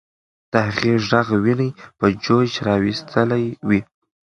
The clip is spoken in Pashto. د هغې ږغ ويني په جوش راوستلې وې.